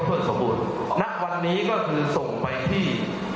แต่ว่านักวันนี้ซองพวกนี้ส่งไปที่